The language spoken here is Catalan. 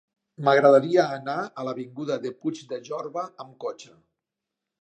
M'agradaria anar a l'avinguda de Puig de Jorba amb cotxe.